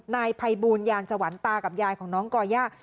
นายภัยบูลยางสวรรค์ตากับยายของน้องก่อย่า